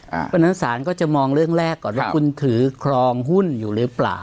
เพราะฉะนั้นศาลก็จะมองเรื่องแรกก่อนว่าคุณถือครองหุ้นอยู่หรือเปล่า